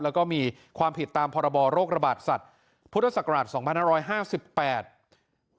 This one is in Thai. แล้วก็มีความผิดตามพรบโรคระบาดสัตว์พุทธศักราช๒๕๕๘